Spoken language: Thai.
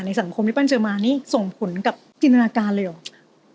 สังคมที่ปั้นเจอมานี่ส่งผลกับจินตนาการเลยเหรอ